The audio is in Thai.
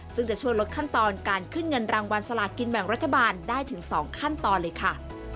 ซึ่งจะช่วยลดขั้นตอนการขึ้นเงินรางวัลสลากินแบ่งรัฐบาลได้ถึง๒ขั้นตอนเลยค่ะ